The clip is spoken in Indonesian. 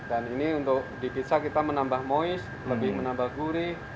dan ini untuk di pizza kita menambah moist lebih menambah gurih